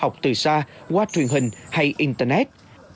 học từ xa qua truyền hình hay internet